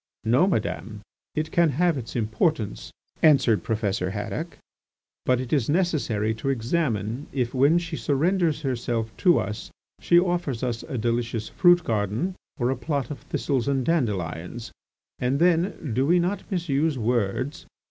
"No, Madame; it can have its importance," answered Professor Haddock, "but it is necessary to examine if when she surrenders herself to us she offers us a delicious fruit garden or a plot of thistles and dandelions. And then, do we not misuse words?